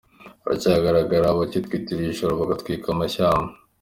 Haracyagaragara abitwikira ijoro bagatwika amashyamba